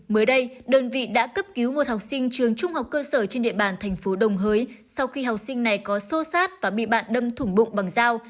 mới đây đơn vị đã cấp cứu một học sinh trường trung học cơ sở trên địa bàn thành phố đồng hới sau khi học sinh này có xô xát và bị bạn đâm thủng bụng bằng dao